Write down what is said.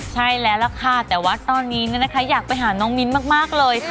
ใช่แล้วล่ะค่ะแต่ว่าตอนนี้นะคะอยากไปหาน้องมิ้นมากเลย